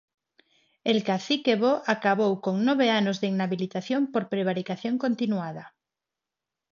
El cacique bo acabou con nove anos de inhabilitación por prevaricación continuada.